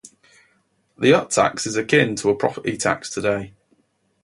The hut tax is akin to a property tax today.